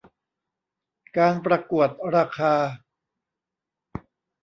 การประกวดราคา